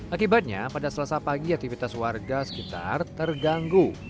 akibatnya pada selasa pagi aktivitas warga sekitar terganggu